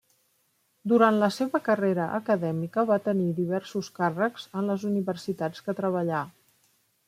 Durant la seva carrera acadèmica, va tenir diversos càrrecs en les universitats que treballà.